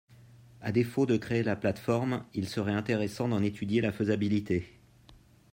À défaut de créer la plateforme, il serait intéressant d’en étudier la faisabilité.